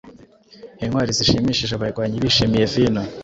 intwari-zishimishije abarwanyi bishimiye vino